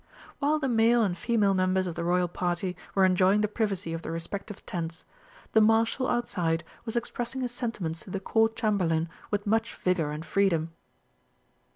While the male and female members of the Royal Party were enjoying the privacy of their respective tents, the Marshal outside was expressing his sentiments to the Court Chamberlain with much vigour and freedom.